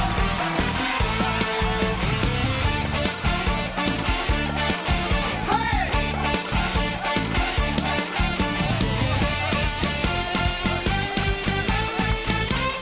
โปรดติดตามตอนต่อไป